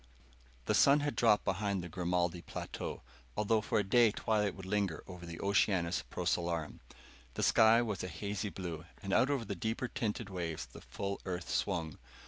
] The sun had dropped behind the Grimaldi plateau, although for a day twilight would linger over the Oceanus Procellarum. The sky was a hazy blue, and out over the deeper tinted waves the full Earth swung.